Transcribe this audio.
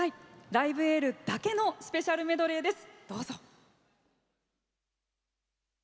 「ライブ・エール」だけのスペシャルメドレーです。